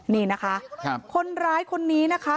นี่นะคะคนร้ายคนนี้นะคะ